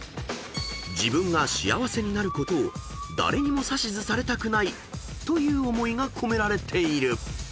［自分が幸せになることを誰にも指図されたくないという思いが込められている］